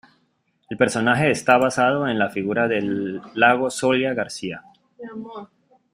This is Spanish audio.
El personaje está basado en la figura de Iago Solla García.